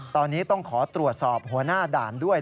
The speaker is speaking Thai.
ตอนนี้ต้องขอตรวจสอบหัวหน้าด่านด้วย